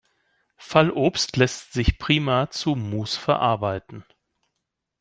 Fallobst lässt sich prima zu Muß verarbeiten.